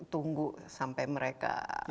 tunggu sampai mereka